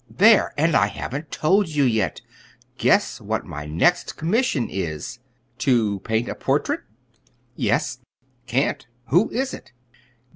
"There! And I haven't told you, yet. Guess what my next commission is." "To paint a portrait?" "Yes." "Can't. Who is it?"